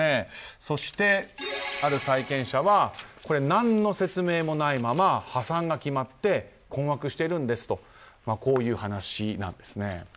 そして、ある債権者は何の説明もないまま破産が決まって困惑しているんですという話なんです。